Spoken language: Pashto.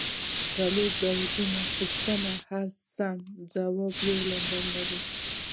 څلور ځوابه پوښتنې هر سم ځواب یوه نمره لري